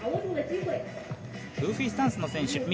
グーフィースタンスの選手